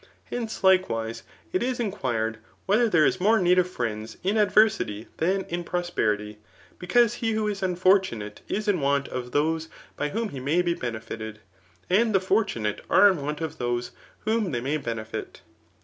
Hence, likewise, it is inquired, whether there is more need of friends in adver sity than in prosperity ; because he who is unfortunate is in want of those by whom he may be benefited, and the fortunate are in want of those whom they may bene fit.